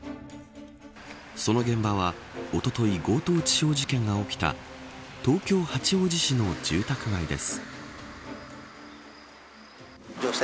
その現場は、おととい強盗致傷事件が起きた東京・八王子市の住宅街です。